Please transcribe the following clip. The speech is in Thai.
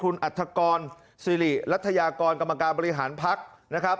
คุณอัฐกรสิริรัฐยากรกรรมการบริหารพักนะครับ